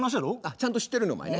ちゃんと知ってるのお前ね。